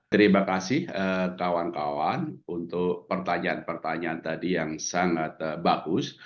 terima kasih kawan kawan untuk pertanyaan pertanyaan tadi yang sangat bagus